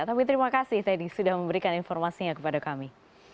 tapi terima kasih teddy sudah memberikan informasinya kepada kami